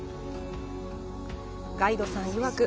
ガイドさんいわく